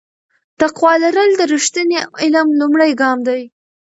تقوا لرل د رښتیني علم لومړی ګام دی.